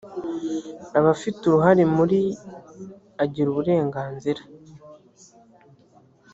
abafite uruhare muri agira uburenganzira